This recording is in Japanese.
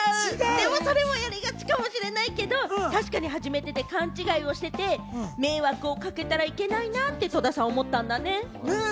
でも、それもやりがちかもしれないけれども、初めてで勘違いしてて、迷惑をかけたらいけないなって戸田さん、思ったんだね。